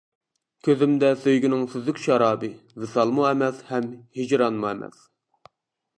كۆزۈمدە سۆيگۈنىڭ سۈزۈك شارابى، ۋىسالمۇ ئەمەس ھەم ھىجرانمۇ ئەمەس.